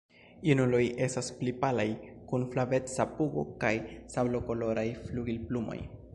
Junuloj estas pli palaj, kun flaveca pugo kaj sablokoloraj flugilplumoj.